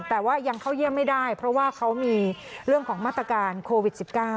แต่ว่ายังเข้าเยี่ยมไม่ได้เพราะว่าเขามีเรื่องของมาตรการโควิด๑๙